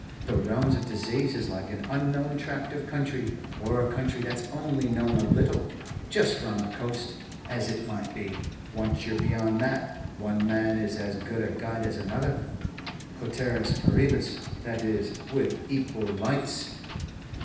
The realms of disaze is like an unknown tract of country, or a country that's only known a little, just round the coast, as it might be; once ye're beyond that, one man is as good a guide as another, coeteris paribus, that is, with 'equal lights.'"